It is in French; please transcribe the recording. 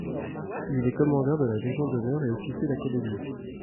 Il est commandeur de la Légion d'honneur et officier d'académie.